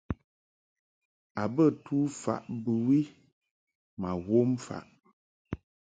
A bə tu faʼ bɨwi ma wom faʼ.